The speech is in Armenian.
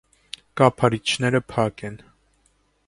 Կափարիչները փակ են։